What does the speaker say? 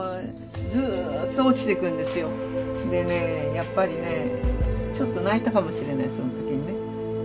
やっぱりねちょっと泣いたかもしれないその時にね。